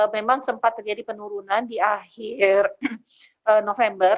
memang sempat terjadi penurunan di akhir november